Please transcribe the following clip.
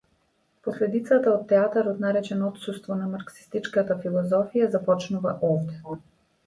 Последицата од театарот наречен отсуство на марксистичката филозофија, започнува овде.